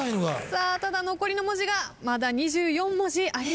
ただ残りの文字がまだ２４文字あります。